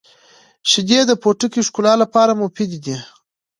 • شیدې د پوټکي ښکلا لپاره مفیدې دي.